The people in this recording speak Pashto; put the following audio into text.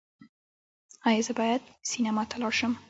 ایا زه باید سینما ته لاړ شم؟